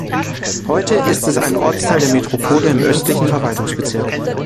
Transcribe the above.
Heute ist es ein Ortsteil der Metropole im östlichen Verwaltungsbezirk.